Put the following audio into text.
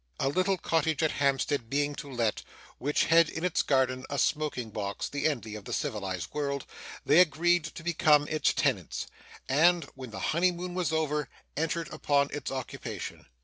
A little cottage at Hampstead being to let, which had in its garden a smoking box, the envy of the civilised world, they agreed to become its tenants, and, when the honey moon was over, entered upon its occupation.